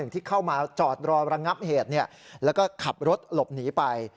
ที่เข้ามาจอดรอระงับเหตุแล้วก็ขับรถหลบหนีไป